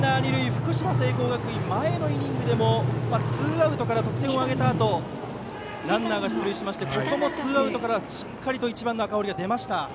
福島・聖光学院前のイニングでもツーアウトから得点を挙げたあとランナーが出塁しましてここもツーアウトからしっかりと１番の赤堀が出ました。